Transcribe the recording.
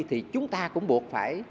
thì chúng ta cũng buộc phải